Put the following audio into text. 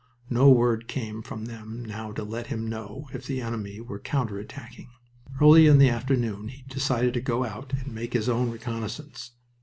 No word came from them now to let him know if the enemy were counter attacking. Early in the afternoon he decided to go out and make his own reconnaissance.